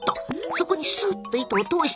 そこにスッと糸を通して。